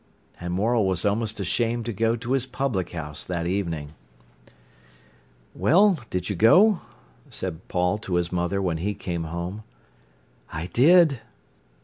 And Morel was almost ashamed to go to his public house that evening. "Well, did you go?" said Paul to his mother when he came home. "I did."